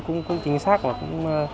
cũng chính xác và cũng